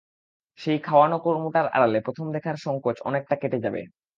সেই খাওয়ানো-কর্মটার আড়ালে প্রথম-দেখার সংকোচ অনেকটা কেটে যাবে।